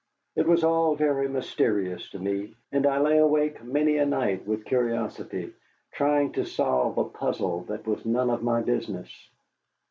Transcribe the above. It was all very mysterious to me, and I lay awake many a night with curiosity, trying to solve a puzzle that was none of my business.